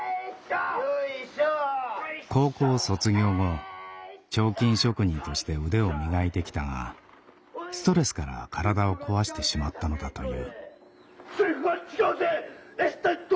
高校卒業後彫金職人として腕を磨いてきたがストレスから体を壊してしまったのだという。